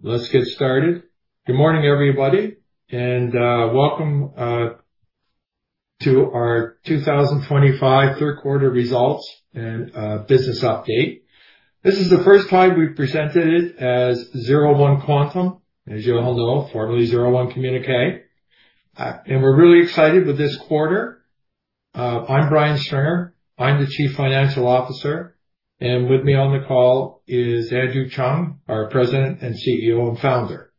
Let's get started. Good morning, everybody, and welcome to our 2025 third quarter results and business update. This is the first time we've presented it as 01 Quantum, as you all know, formerly 01 Communique. We're really excited with this quarter. I'm Brian Stringer. I'm the Chief Financial Officer, and with me on the call is Andrew Cheung, our President, CEO, and Founder.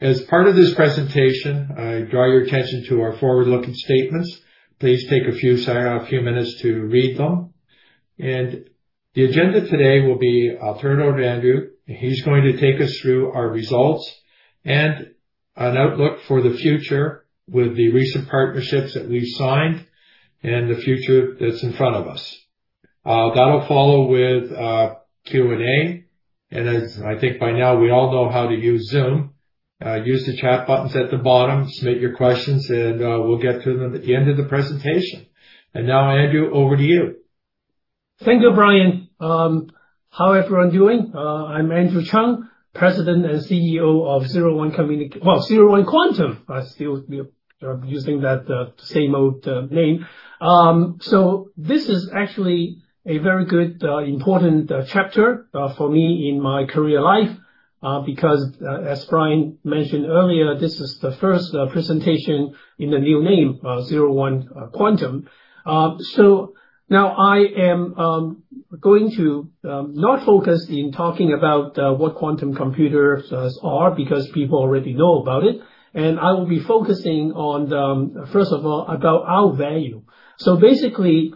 As part of this presentation, I draw your attention to our forward-looking statements. Please take a few minutes to read them. The agenda today will be, I'll turn it over to Andrew, and he's going to take us through our results and an outlook for the future with the recent partnerships that we've signed and the future that's in front of us. That'll follow with Q&A. As I think by now, we all know how to use Zoom. Use the chat buttons at the bottom, submit your questions, and we'll get to them at the end of the presentation. Now, Andrew, over to you. Thank you, Brian. How everyone doing? I'm Andrew Cheung, President and CEO of 01 Communique-- well, 01 Quantum. I see you're using that same old name. This is actually a very good, important chapter for me in my career life, because as Brian mentioned earlier, this is the first presentation in the new name, 01 Quantum. Now I am going to not focus in talking about what quantum computers are because people already know about it. I will be focusing on the, first of all, about our value. Basically,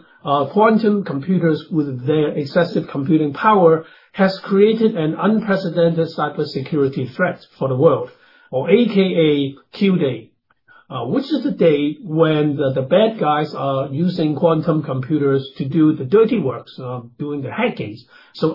quantum computers with their excessive computing power has created an unprecedented cybersecurity threat for the world, or AKA Q-Day, which is the day when the bad guys are using quantum computers to do the dirty works, doing the hackings.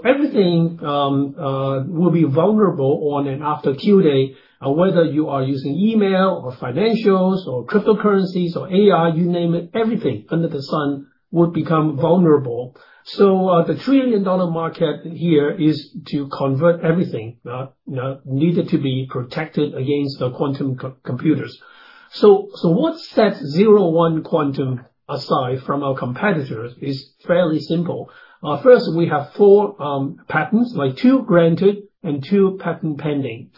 Everything will be vulnerable on and after Q-Day, whether you are using email, or financials, or cryptocurrencies or AI, you name it, everything under the sun would become vulnerable. The trillion-dollar market here is to convert everything, you know, needed to be protected against the quantum computers. What sets 01 Quantum aside from our competitors is fairly simple. First, we have four patents, like two granted and two patent pending.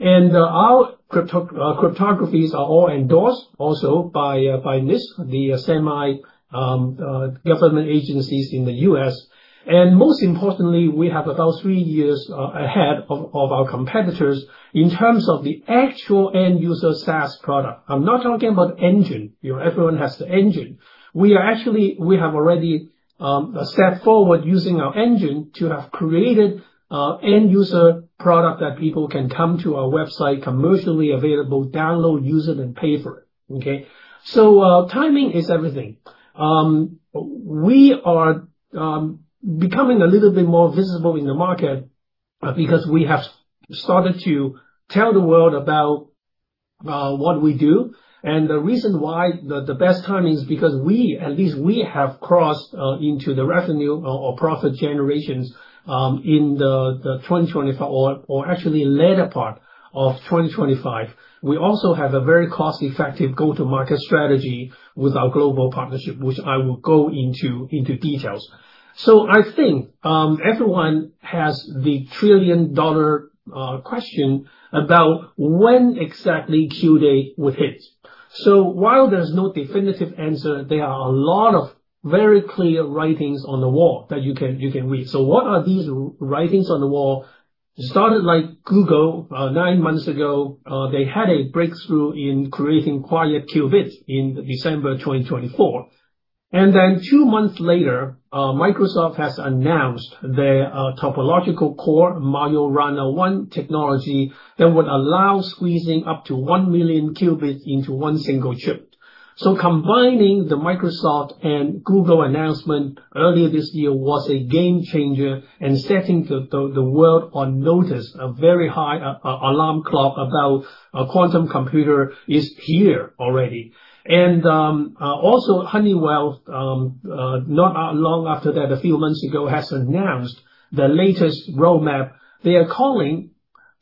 Our cryptographies are all endorsed also by NIST, the semi-government agencies in the U.S. Most importantly, we have about three years ahead of our competitors in terms of the actual end user SaaS product. I'm not talking about engine. You know, everyone has the engine. We are actually, we have already stepped forward using our engine to have created end user product that people can come to our website, commercially available, download, use it and pay for it, okay. Timing is everything. We are becoming a little bit more visible in the market because we have started to tell the world about what we do. The reason why the best timing is because we, at least we have crossed into the revenue or profit generations in the 2024 or actually latter part of 2025. We also have a very cost-effective go-to-market strategy with our global partnership, which I will go into details. I think everyone has the trillion-dollar question about when exactly Q-Day would hit. While there's no definitive answer, there are a lot of very clear writings on the wall that you can read. What are these writings on the wall? It started like Google, nine months ago. They had a breakthrough in creating quiet qubits in December 2024. Two months later, Microsoft has announced their Topological Core Majorana one technology that would allow squeezing up to 1 million qubits into one single chip. Combining the Microsoft and Google announcement earlier this year was a game changer and setting the world on notice, a very high alarm clock about a quantum computer is here already. Also Honeywell, not long after that, a few months ago, has announced the latest roadmap they are calling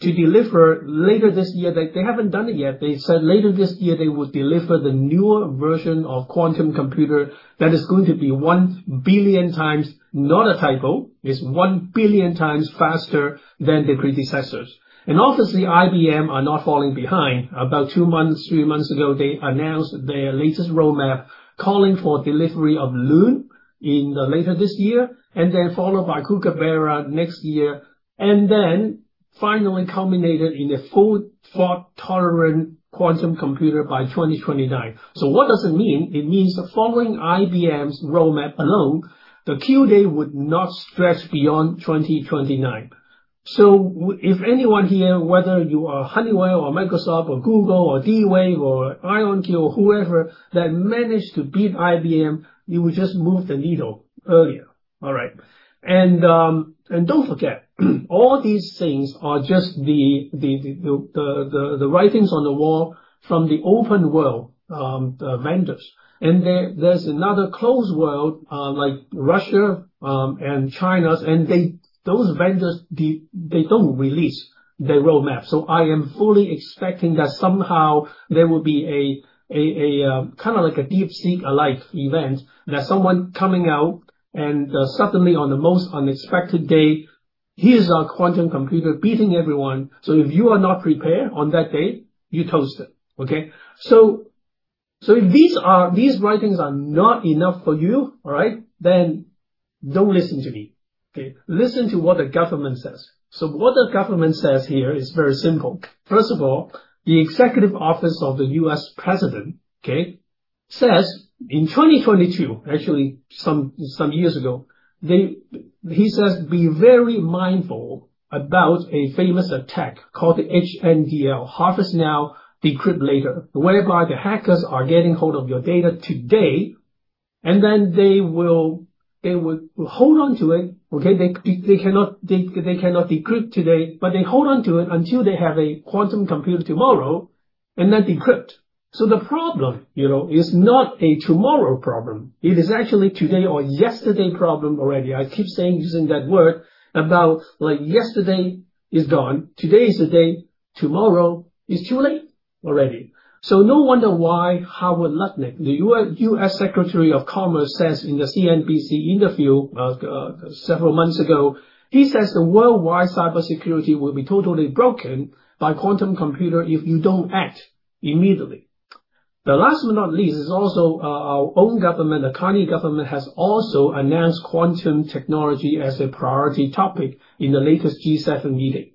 to deliver later this year. They haven't done it yet. They said later this year they would deliver the newer version of quantum computer that is going to be 1 billion times, not a typo, it's 1 billion times faster than the predecessors. Obviously, IBM are not falling behind. About two months, three months ago, they announced their latest roadmap calling for delivery of Loon later this year, then followed by Kookaburra next year, and then finally culminated in a full fault-tolerant quantum computer by 2029. What does it mean? It means following IBM's roadmap alone, the Q-Day would not stretch beyond 2029. If anyone here, whether you are Honeywell or Microsoft or Google or D-Wave or IonQ or whoever that managed to beat IBM, you would just move the needle earlier. All right. Don't forget, all these things are just the writings on the wall from the open world, the vendors. There, there's another closed world, like Russia, and China's. Those vendors don't release their roadmap. I am fully expecting that somehow there will be a kind of like a DeepSeek alike event. That someone coming out and suddenly on the most unexpected day, here's our quantum computer beating everyone. If you are not prepared on that day, you're toasted. Okay. If these writings are not enough for you, then don't listen to me. Listen to what the government says. What the government says here is very simple. First of all, the executive office of the U.S. President says in 2022, actually some years ago, he says, "Be very mindful about a famous attack called the HNDL, Harvest Now Decrypt Later." The hackers are getting hold of your data today, and then they will hold on to it. They cannot decrypt today, they hold on to it until they have a quantum computer tomorrow and then decrypt. The problem, you know, is not a tomorrow problem. It is actually today or yesterday problem already. I keep saying, using that word about like yesterday is gone, today is the day, tomorrow is too late already. No wonder why Howard Lutnick, the U.S. Secretary of Commerce, says in the CNBC interview several months ago, he says the worldwide cybersecurity will be totally broken by quantum computer if you don't act immediately. The last but not least is also, our own government, the Canadian government, has also announced quantum technology as a priority topic in the latest G7 meeting.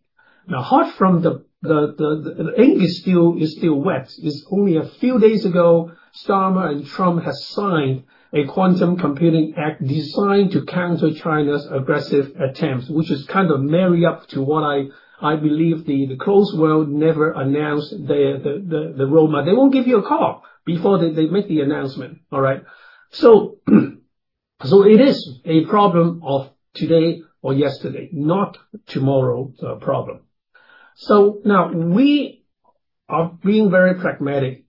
Hot from the ink is still wet. It's only a few days ago Starmer and Trump has signed a quantum computing act designed to counter China's aggressive attempts, which is kind of marry up to what I believe the closed world never announced their roadmap. They won't give you a call before they make the announcement. All right. It is a problem of today or yesterday, not tomorrow, problem. Now we are being very pragmatic.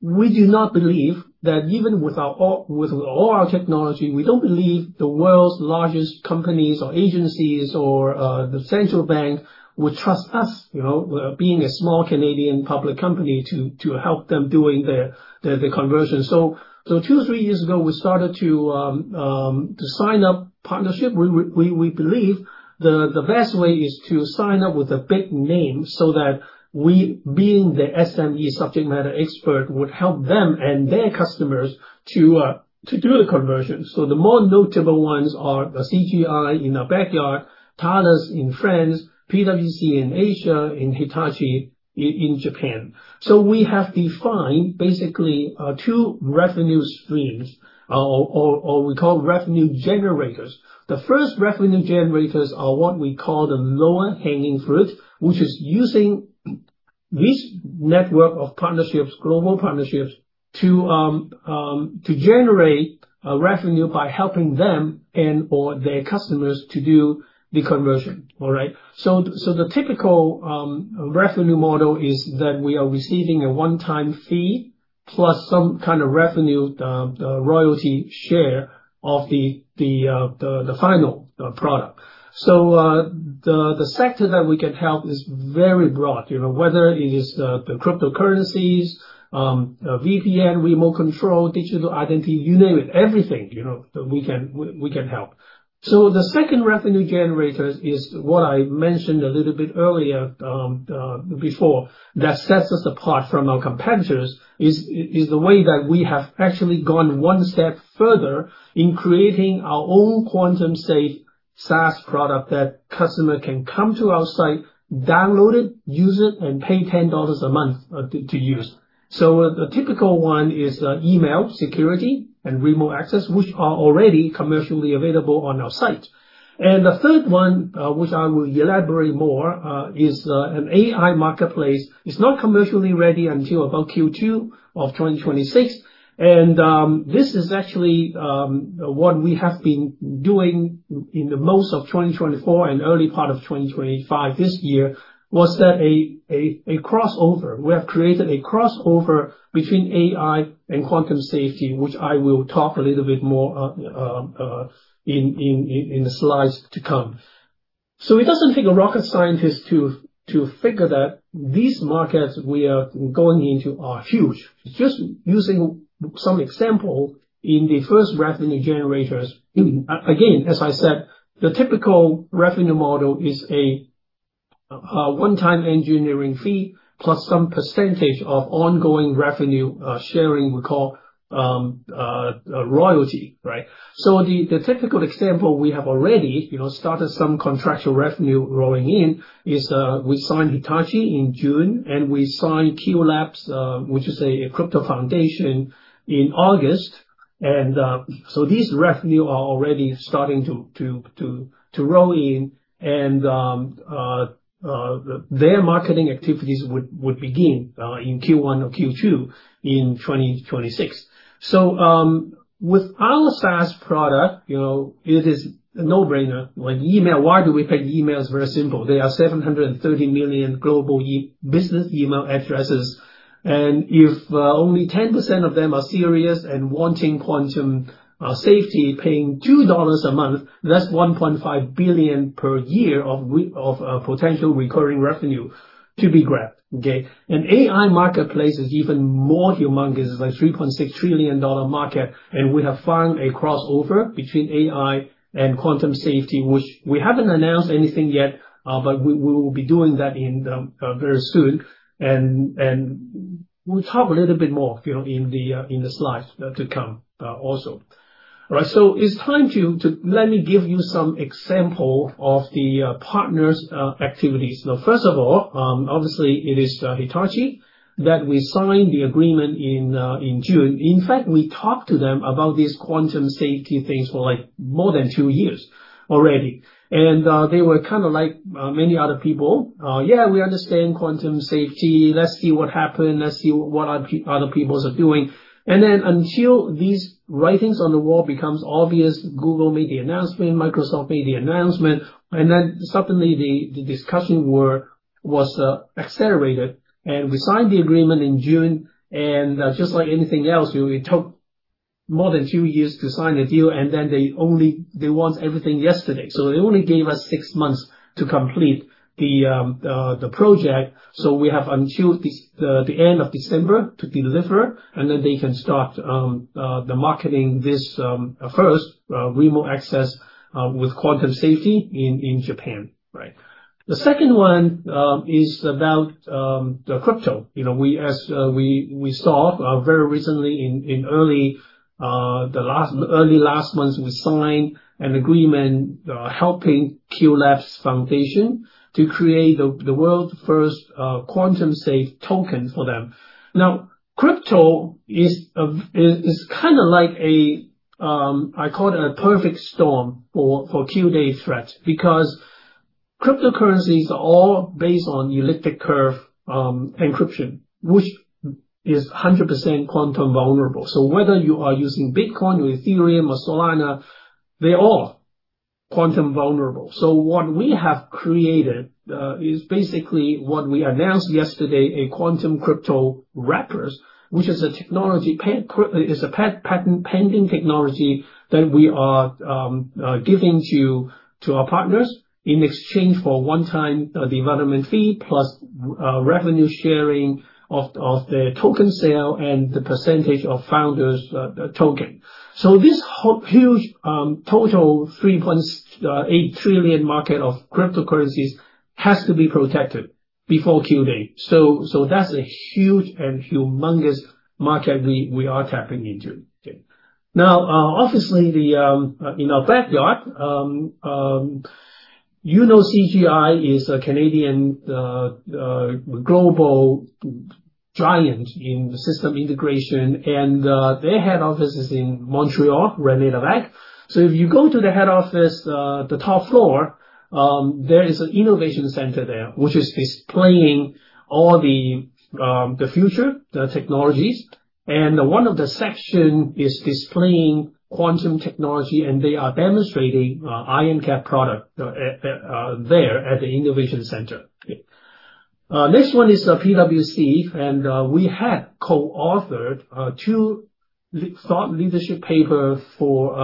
We do not believe that even with all our technology, we don't believe the world's largest companies or agencies or the central bank would trust us, you know, being a small Canadian public company to help them doing their conversion. Two, three years ago, we started to sign up partnership. We believe the best way is to sign up with a big name so that we, being the SME, subject matter expert, would help them and their customers to do a conversion. The more notable ones are the CGI in our backyard, Thales in France, PwC in Asia, and Hitachi in Japan. We have defined basically two revenue streams or we call revenue generators. The first revenue generators are what we call the lower hanging fruit, which is using this network of partnerships, global partnerships, to generate revenue by helping them and or their customers to do the conversion. All right? The typical revenue model is that we are receiving a one-time fee plus some kind of revenue royalty share of the final product. The sector that we can help is very broad. You know, whether it is the cryptocurrencies, VPN, remote control, digital identity, you name it, everything, you know, we can help. The second revenue generator is what I mentioned a little bit earlier, before, that sets us apart from our competitors, is the way that we have actually gone one step further in creating our own quantum-safe SaaS product that customer can come to our site, download it, use it and pay 10 dollars a month to use. A typical one is email security and remote access, which are already commercially available on our site. The third one, which I will elaborate more, is an AI marketplace. It is not commercially ready until about Q2 of 2026. This is actually what we have been doing in the most of 2024 and early part of 2025 this year, was a crossover. We have created a crossover between AI and quantum safety, which I will talk a little bit more in the slides to come. It doesn't take a rocket scientist to figure that these markets we are going into are huge. Just using some example in the first revenue generators. Again, as I said, the typical revenue model is a one-time engineering fee plus some percentage of ongoing revenue sharing, we call a royalty, right? The typical example we have already, you know, started some contractual revenue rolling in is we signed Hitachi in June and we signed qLABS, which is a crypto foundation in August. These revenue are already starting to roll in and their marketing activities would begin in Q1 or Q2 in 2026. With our SaaS product, you know, it is a no-brainer. With email, why do we pick email? It's very simple. There are 730 million global business email addresses, and if only 10% of them are serious and wanting quantum safety, paying 2 dollars a month, that's 1.5 billion per year of potential recurring revenue to be grabbed. Okay. AI marketplace is even more humongous. It's like 3.6 trillion dollar market, and we have found a crossover between AI and quantum safety, which we haven't announced anything yet, but we will be doing that very soon and we'll talk a little bit more, you know, in the slides to come also. All right, it's time to let me give you some example of the partners' activities. Now, first of all, obviously it is Hitachi that we signed the agreement in June. In fact, we talked to them about these quantum safety things for, like, more than two years already. They were kind of like many other people. "Yeah, we understand quantum safety. Let's see what happen. Let's see what other people are doing. Until these writings on the wall becomes obvious, Google made the announcement, Microsoft made the announcement, and suddenly the discussion was accelerated. We signed the agreement in June, and, just like anything else, you know, it took more than two years to sign the deal, they want everything yesterday. They only gave us six months to complete the project, we have until the end of December to deliver, they can start marketing this first remote access with quantum safety in Japan. Right. The second one is about the crypto. We saw very recently in early last month, we signed an agreement helping qLABS Foundation to create the world's first quantum-safe token for them. Crypto is kind of like a. I call it a perfect storm for Q-Day threat because cryptocurrencies are all based on elliptic curve encryption, which is 100% quantum vulnerable. Whether you are using Bitcoin or Ethereum or Solana, they're all quantum vulnerable. What we have created is basically what we announced yesterday, a Quantum Crypto Wrapper, which is a patent pending technology that we are giving to our partners in exchange for one-time development fee plus revenue sharing of the token sale and the percentage of founders token. This whole huge total 3.8 trillion market of cryptocurrencies has to be protected before Q-Day. That's a huge and humongous market we are tapping into. Okay. Now, obviously the in our backyard, you know CGI is a Canadian global giant in the system integration and their head office is in Montreal, René-Lévesque Boulevard. If you go to the head office, the top floor, there is an innovation center there, which is displaying all the future technologies. One of the sections is displaying quantum technology, and they are demonstrating IronCAP product there at the innovation center. Next one is PwC, we had co-authored two thought leadership papers for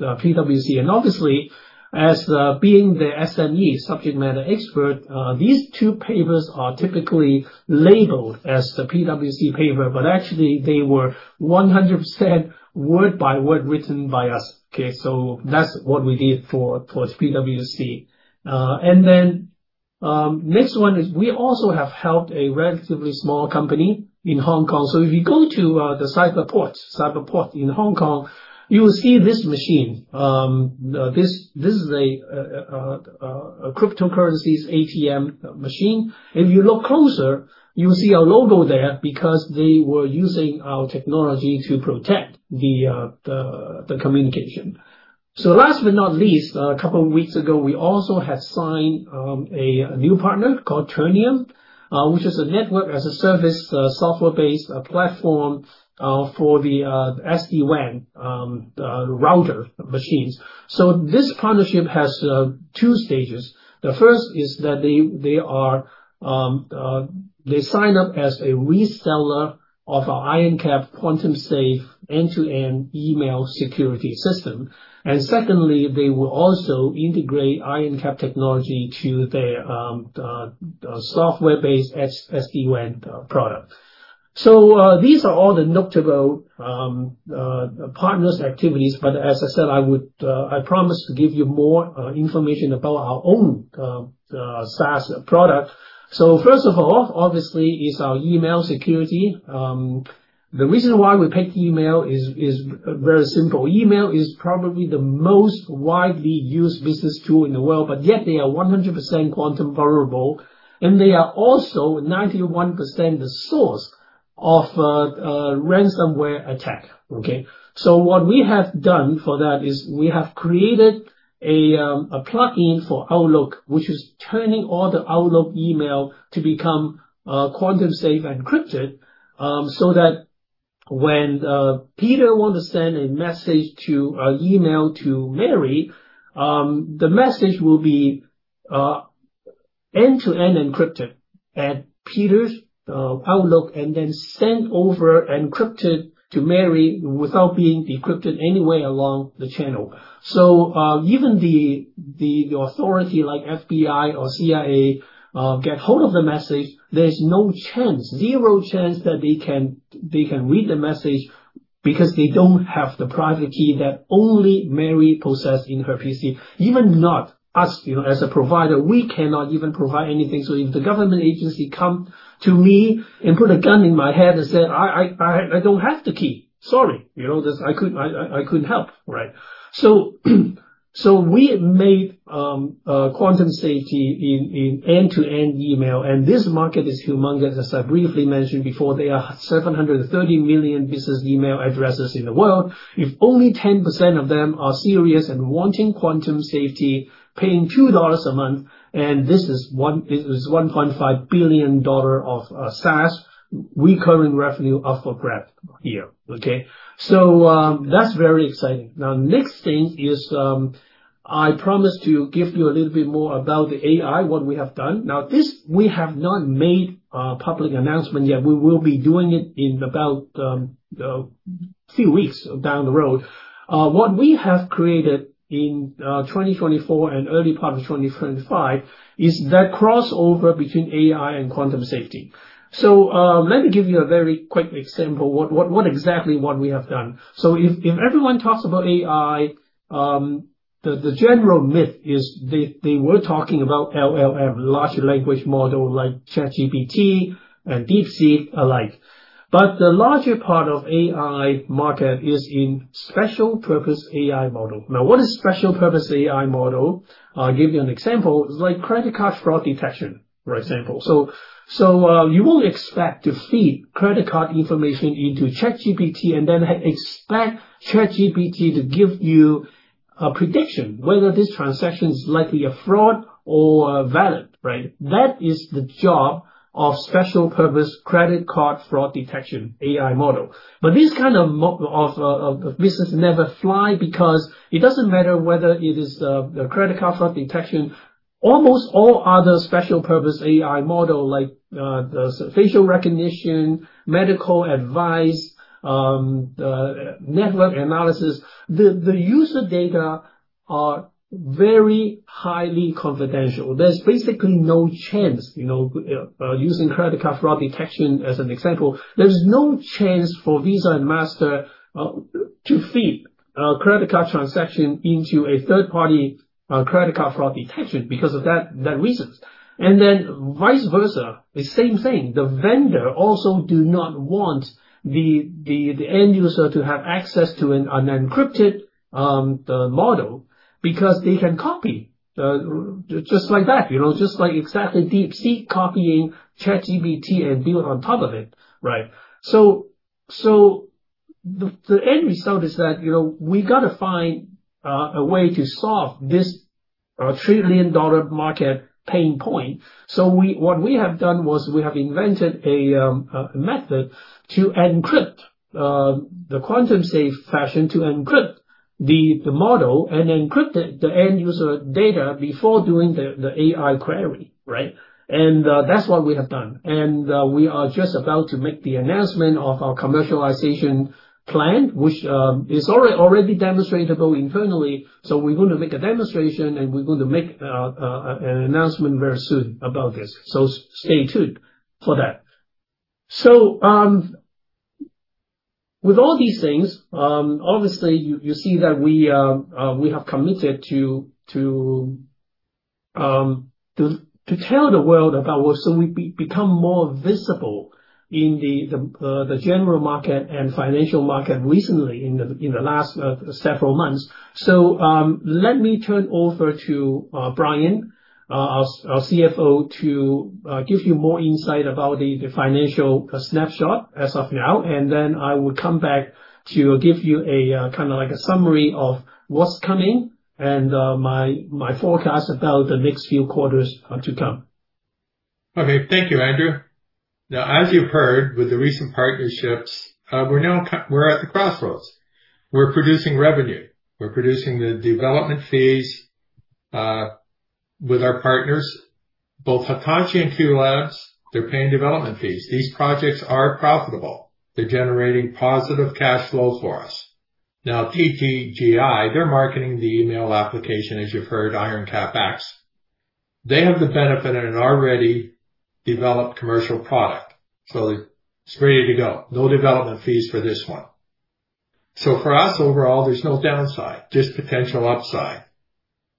PwC. Obviously, as being the SME, subject matter expert, these two papers are typically labeled as the PwC paper, but actually they were 100% word by word written by us. Okay? That's what we did for PwC. Next one is we also have helped a relatively small company in Hong Kong. If you go to Cyberport in Hong Kong, you will see this machine. This is a cryptocurrencies ATM machine. If you look closer, you'll see our logo there because they were using our technology to protect the communication. Last but not least, a couple of weeks ago, we also had signed a new partner called Turnium, which is a network-as-a-service software-based platform for the SD-WAN router machines. This partnership has two stages. The first is that they sign up as a reseller of our IronCAP quantum-safe end-to-end email security system. Secondly, they will also integrate IronCAP technology to their software-based SD-WAN product. These are all the notable partners' activities. As I said, I promise to give you more information about our own SaaS product. First of all, obviously, is our email security. The reason why we picked email is very simple. Email is probably the most widely used business tool in the world, yet they are 100% quantum vulnerable, and they are also 91% the source of ransomware attack. What we have done for that is we have created a plugin for Outlook, which is turning all the Outlook email to become quantum safe encrypted. When Peter want to send a message to email to Mary, the message will be end-to-end encrypted at Peter's Outlook and then sent over encrypted to Mary without being decrypted anywhere along the channel. Even the authority like FBI or CIA get hold of the message, there's no chance, zero chance that they can read the message because they don't have the private key that only Mary possess in her PC. Even not us, you know, as a provider, we cannot even provide anything. If the government agency come to me and put a gun in my head and said, "I don't have the key. Sorry. You know, this, I couldn't help," right? We have made quantum safety in end-to-end email, and this market is humongous. As I briefly mentioned before, there are 730 million business email addresses in the world. If only 10% of them are serious and wanting quantum safety, paying 2 dollars a month, it is 1.5 billion dollar of SaaS recurring revenue up for grab here, okay? That's very exciting. Next thing is, I promised to give you a little bit more about the AI, what we have done. This we have not made a public announcement yet. We will be doing it in about two weeks down the road. What we have created in 2024 and early part of 2025 is that crossover between AI and quantum safety. Let me give you a very quick example, what exactly what we have done. If everyone talks about AI, the general myth is they were talking about LLM, large language model, like ChatGPT and DeepSeek alike. The larger part of AI market is in special purpose AI model. Now, what is special purpose AI model? I'll give you an example. It's like credit card fraud detection, for example. You won't expect to feed credit card information into ChatGPT and then expect ChatGPT to give you a prediction whether this transaction is likely a fraud or valid, right? That is the job of special purpose credit card fraud detection AI model. This kind of business never fly because it doesn't matter whether it is a credit card fraud detection. Almost all other special purpose AI model like facial recognition, medical advice, network analysis, the user data are very highly confidential. There's basically no chance, you know, using credit card fraud detection as an example, there's no chance for Visa and Master to feed credit card transaction into a third-party credit card fraud detection because of that reasons. Vice versa, the same thing. The vendor also do not want the end user to have access to an unencrypted model because they can copy just like that, you know, just like exactly DeepSeek copying ChatGPT and build on top of it, right? The end result is that, you know, we gotta find a way to solve this trillion-dollar market pain point. What we have done was we have invented a method to encrypt the quantum-safe fashion to encrypt the model and encrypt the end user data before doing the AI query, right? That's what we have done. We are just about to make the announcement of our commercialization plan, which is already demonstrable internally. We're going to make a demonstration, and we're going to make an announcement very soon about this. Stay tuned for that. With all these things, obviously you see that we have committed to tell the world about what. We've become more visible in the general market and financial market recently in the last several months. Let me turn over to Brian Stringer, our CFO, to give you more insight about the financial snapshot as of now. I will come back to give you a kinda like a summary of what's coming and my forecast about the next few quarters to come. Okay. Thank you, Andrew. As you've heard with the recent partnerships, we're at the crossroads. We're producing revenue. We're producing the development fees with our partners. Both Hitachi and qLABS, they're paying development fees. These projects are profitable. They're generating positive cash flow for us. TTGI, they're marketing the email application, as you've heard, IronCAP X. They have the benefit of an already developed commercial product. It's ready to go. No development fees for this one. For us, overall, there's no downside, just potential upside.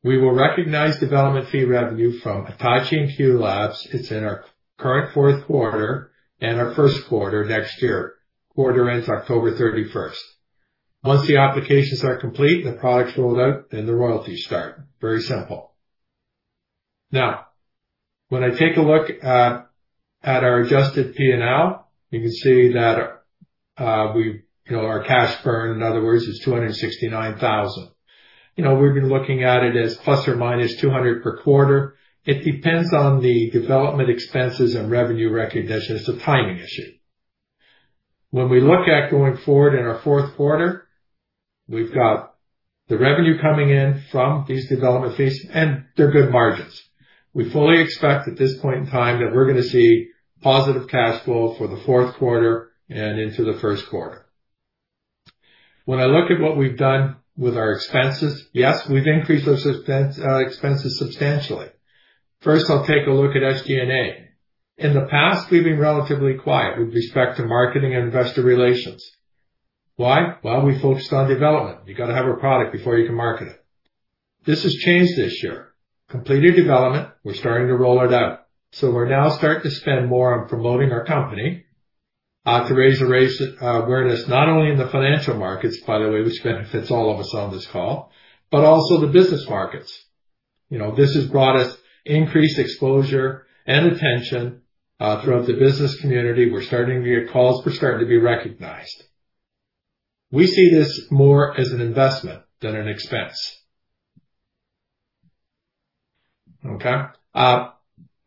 We will recognize development fee revenue from Hitachi and qLABS. It's in our current fourth quarter and our first quarter next year. Quarter ends October 31st. Once the applications are complete, the products rolled out, the royalties start. Very simple. I take a look at our adjusted P&L, you can see that we, you know, our cash burn, in other words, is 269,000. You know, we've been looking at it as ±200 per quarter. It depends on the development expenses and revenue recognition. It is a timing issue. We look at going forward in our fourth quarter, we've got the revenue coming in from these development fees, and they're good margins. We fully expect at this point in time that we're gonna see positive cash flow for the fourth quarter and into the first quarter. I look at what we've done with our expenses, yes, we've increased our expenses substantially. First, I'll take a look at SG&A. In the past, we've been relatively quiet with respect to marketing and investor relations. Why? Well, we focused on development. You gotta have a product before you can market it. This has changed this year. Completed development, we're starting to roll it out, so we're now starting to spend more on promoting our company to raise awareness not only in the financial markets, by the way, which benefits all of us on this call, but also the business markets. You know, this has brought us increased exposure and attention throughout the business community. We're starting to get calls. We're starting to be recognized. We see this more as an investment than an expense. Okay?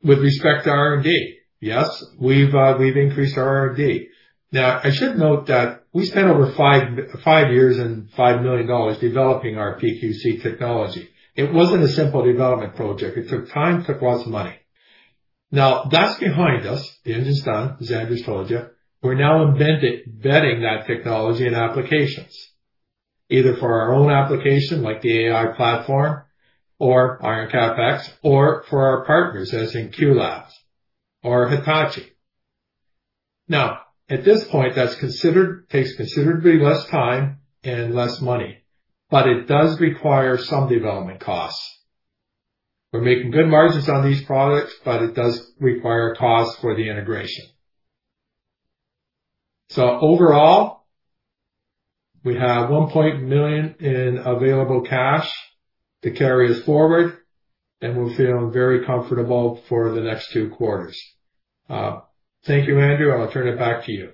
With respect to R&D, yes, we've increased our R&D. Now, I should note that we spent over five years and 5 million dollars developing our PQC technology. It wasn't a simple development project. It took time, took lots of money. Now, that's behind us. The engine's done, as Andrew's told you. We're now embedding that technology in applications, either for our own application like the AI platform or IronCAP X or for our partners, as in qLABS or Hitachi. At this point, that takes considerably less time and less money, but it does require some development costs. We're making good margins on these products, but it does require costs for the integration. Overall, we have 1.1 million in available cash to carry us forward, and we're feeling very comfortable for the next two quarters. Thank you, Andrew, and I'll turn it back to you.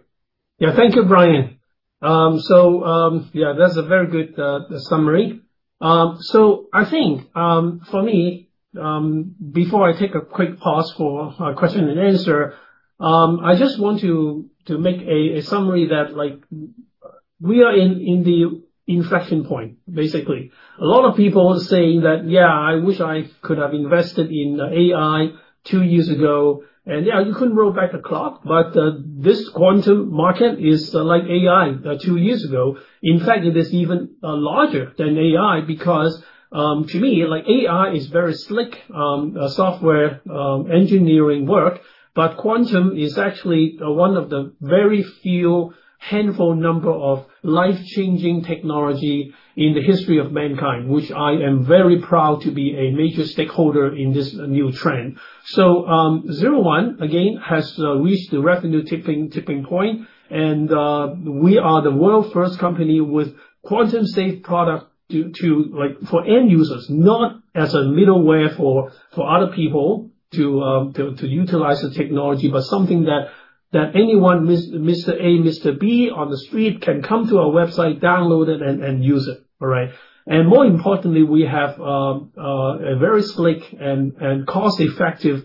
Yeah. Thank you, Brian. Yeah, that's a very good summary. I think, for me, before I take a quick pause for question and answer, I just want to make a summary that, like, we are in the inflection point, basically. A lot of people saying that, "Yeah, I wish I could have invested in AI two years ago." Yeah, you couldn't roll back the clock, but this quantum market is like AI two years ago. In fact, it is even larger than AI because, to me, like AI is very slick software engineering work, but quantum is actually one of the very few handful number of life-changing technology in the history of mankind, which I am very proud to be a major stakeholder in this new trend. 01, again, has reached the revenue tipping point and we are the world's first company with quantum-safe product to, like, for end users, not as a middleware for other people to utilize the technology, but something that anyone, Mr. A, Mr. B on the street can come to our website, download it, and use it, all right? More importantly, we have a very slick and cost-effective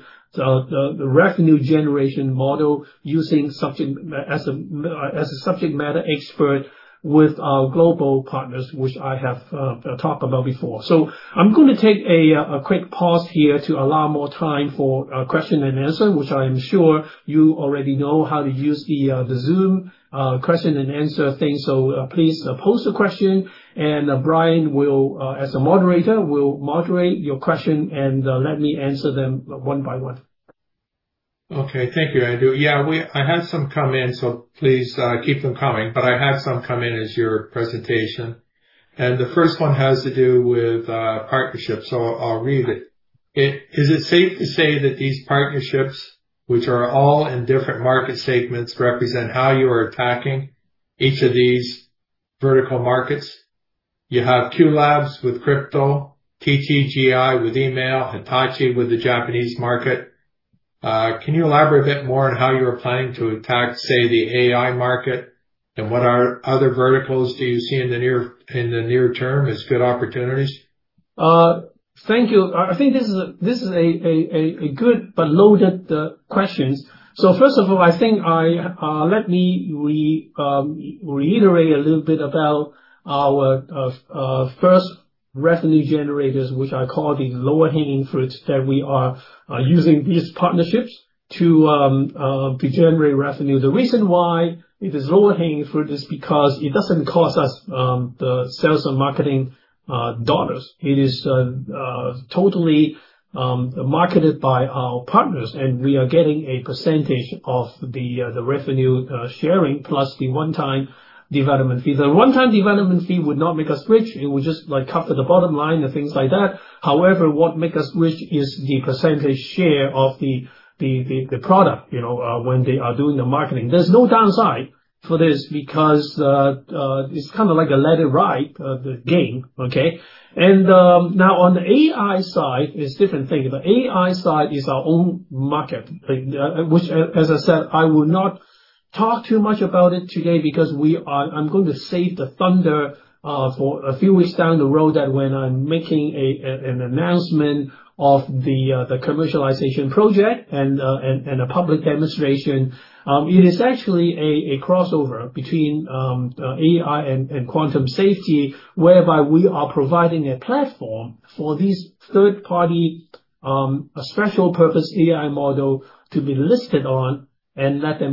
revenue generation model using as a subject matter expert with our global partners, which I have talked about before. I'm gonna take a quick pause here to allow more time for question and answer, which I am sure you already know how to use the Zoom question and answer thing. Please post a question, and Brian will, as a moderator, moderate your question and, let me answer them one by one. Okay. Thank you, Andrew. Yeah. I had some come in, so please keep them coming, but I have some come in as your presentation. The first one has to do with partnerships, so I'll read it. Is it safe to say that these partnerships, which are all in different market segments, represent how you are attacking each of these vertical markets? You have qLABS with crypto, TTGI with email, Hitachi with the Japanese market. Can you elaborate a bit more on how you are planning to attack, say, the AI market, and what are other verticals do you see in the near term as good opportunities? Thank you. I think this is a good but loaded questions. First of all, I think I let me reiterate a little bit about our first revenue generators, which I call the lower hanging fruits, that we are using these partnerships to generate revenue. The reason why it is lower hanging fruit is because it doesn't cost us the sales and marketing CAD. It is totally marketed by our partners, and we are getting a percentage of the revenue sharing plus the one-time development fee. The one-time development fee would not make us rich. It would just, like, cover the bottom line and things like that. However, what make us rich is the percentage share of the product, you know, when they are doing the marketing. There's no downside for this because it's kind of like a let it ride the game, okay? Now on the AI side, it's different thing. The AI side is our own market, which as I said, I would not talk too much about it today because I'm going to save the thunder for a few weeks down the road that when I'm making an announcement of the commercialization project and a public demonstration. It is actually a crossover between AI and quantum safety, whereby we are providing a platform for these third-party special purpose AI model to be listed on and let the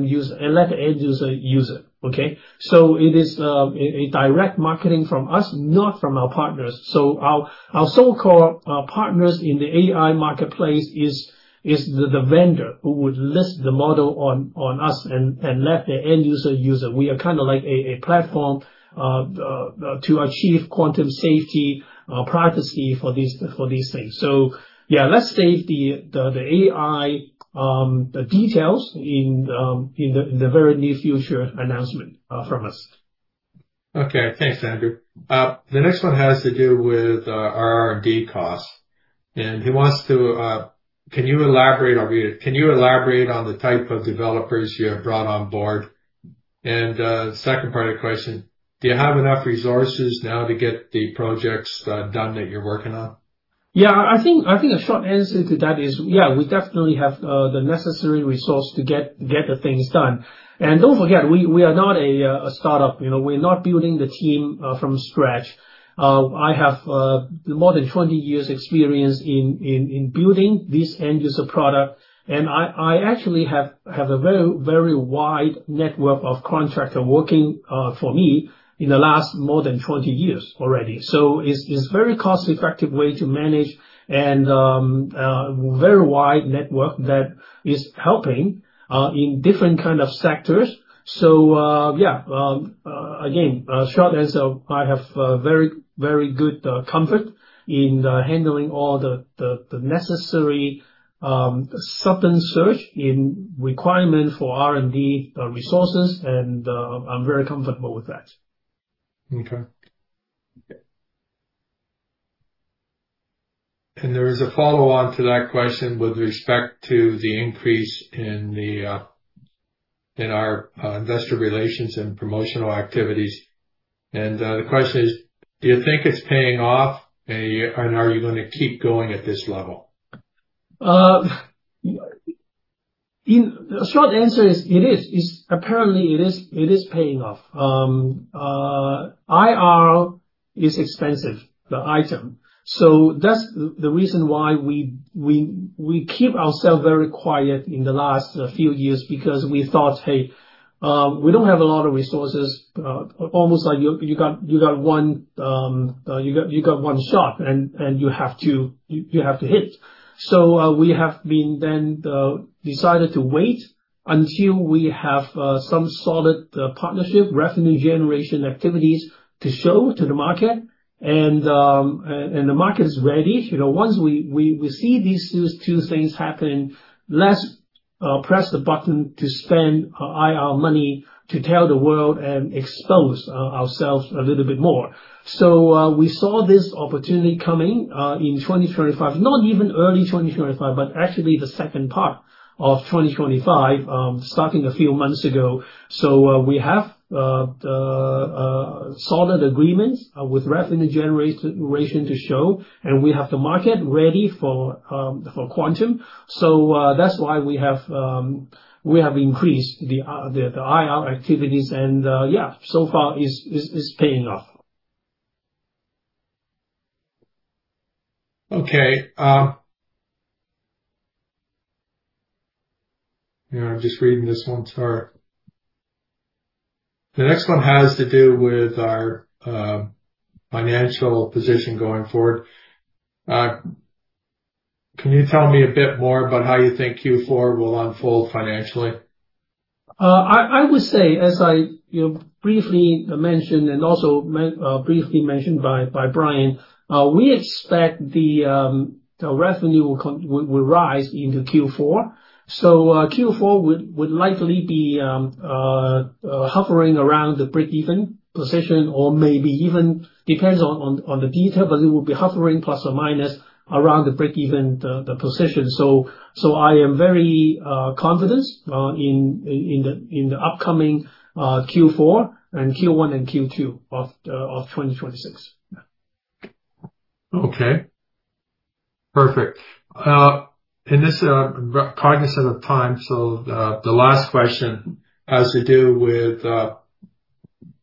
end user use it. Okay? It is a direct marketing from us, not from our partners. Our so-called partners in the AI marketplace is the vendor who would list the model on us and let the end user use it. We are kind of like a platform to achieve quantum safety privacy for these things. Yeah, let's save the AI details in the very near future announcement from us. Okay. Thanks, Andrew. The next one has to do with our R&D costs. He wants to, can you elaborate on the type of developers you have brought on board? Second part of the question, do you have enough resources now to get the projects done that you're working on? I think a short answer to that is, yeah, we definitely have the necessary resource to get the things done. Don't forget, we are not a startup. You know, we're not building the team from scratch. I have more than 20 years experience in building this end user product. I actually have a very wide network of contractor working for me in the last more than 20 years already. It's very cost-effective way to manage and very wide network that is helping in different kind of sectors. Yeah. Again, short answer, I have very good comfort in handling all the necessary substance search in requirement for R&D resources. I'm very comfortable with that. Okay. There is a follow-on to that question with respect to the increase in the, in our, investor relations and promotional activities. The question is, do you think it's paying off, and are you gonna keep going at this level? The short answer is, it is. It's apparently it is, it is paying off. IR is expensive, the item. That's the reason why we keep ourselves very quiet in the last few years because we thought, "Hey, we don't have a lot of resources." Almost like you got one, you got one shot and you have to hit. We have decided to wait until we have some solid partnership, revenue generation activities to show to the market. The market is ready. You know, once we see these two things happen, let's press the button to spend IR money to tell the world and expose ourselves a little bit more. We saw this opportunity coming in 2025, not even early 2025, but actually the second part of 2025, starting a few months ago. We have the solid agreements with revenue generation to show, and we have the market ready for quantum. That's why we have increased the IR activities and yeah, so far it's, it's paying off. Okay. You know, I'm just reading this one. Sorry. The next one has to do with our financial position going forward. Can you tell me a bit more about how you think Q4 will unfold financially? I would say, as I, you know, briefly mentioned and also briefly mentioned by Brian, we expect the revenue will rise into Q4. Q4 would likely be hovering around the breakeven position or maybe even depends on the detail, but it will be hovering plus or minus around the breakeven, the position. I am very confident in the upcoming Q4 and Q1 and Q2 of 2026. Okay. Perfect. This, cognizant of time, the last question has to do with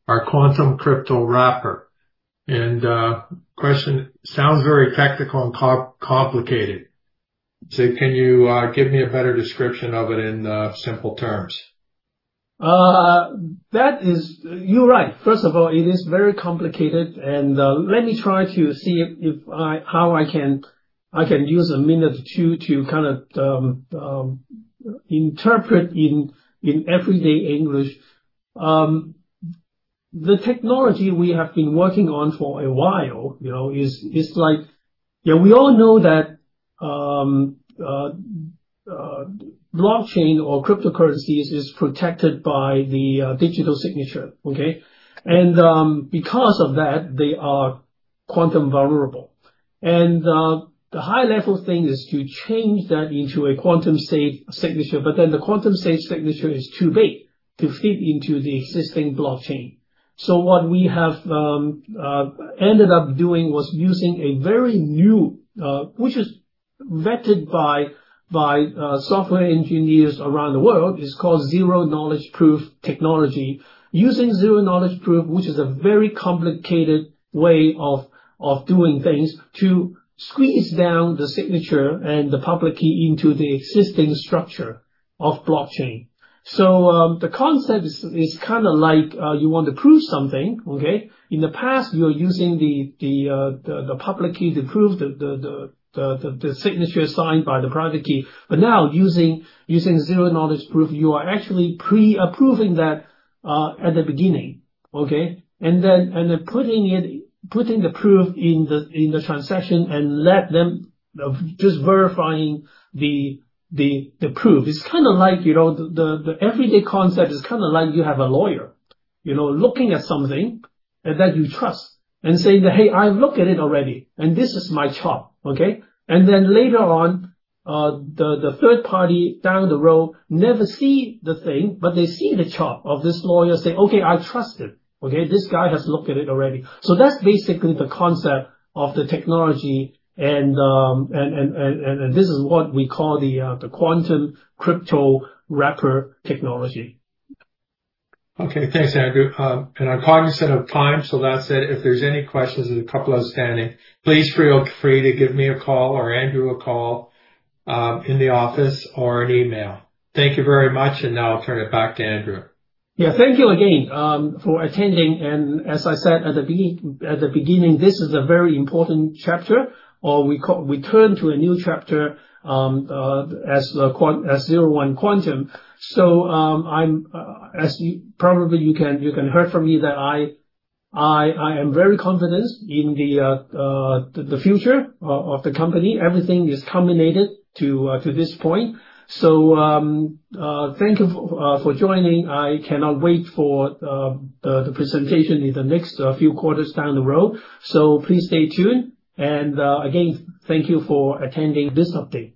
our Quantum Crypto Wrapper. Question sounds very technical and complicated. Can you give me a better description of it in simple terms? That is. You're right. First of all, it is very complicated. Let me try to see how I can use a minute or two to kind of interpret in everyday English. The technology we have been working on for a while, you know, is like. You know, we all know that Blockchain or cryptocurrencies is protected by the digital signature. Okay. Because of that, they are quantum vulnerable. The high level thing is to change that into a quantum safe signature. The quantum safe signature is too big to fit into the existing Blockchain. What we have ended up doing was using a very new, which is vetted by software engineers around the world. It's called zero-knowledge proof technology. Using zero-knowledge proof, which is a very complicated way of doing things, to squeeze down the signature and the public key into the existing structure of blockchain. The concept is kinda like, you want to prove something. In the past, you're using the public key to prove the signature signed by the private key. Now using zero-knowledge proof, you are actually pre-approving that at the beginning. Then putting the proof in the transaction and let them just verifying the proof. It's kinda like, you know, the everyday concept is kinda like you have a lawyer, you know, looking at something and that you trust and saying that, "Hey, I looked at it already and this is my chop. Later on, the third party down the road never see the thing, but they see the chop of this lawyer saying, "Okay, I trust it." Okay. This guy has looked at it already. That's basically the concept of the technology and this is what we call the Quantum Crypto Wrapper technology. Okay. Thanks, Andrew. I'm cognizant of time, so that's it. If there's any questions, there's a couple outstanding, please feel free to give me a call or Andrew a call, in the office or an email. Thank you very much, and now I'll turn it back to Andrew. Yeah. Thank you again for attending. As I said at the beginning, this is a very important chapter or we turn to a new chapter as 01 Quantum. I'm as you probably you can hear from me that I am very confident in the future of the company. Everything is culminated to this point. Thank you for joining. I cannot wait for the presentation in the next few quarters down the road. Please stay tuned. Again, thank you for attending this update.